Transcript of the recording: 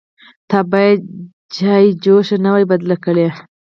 _تا بايد چايجوشه نه وای بدله کړې.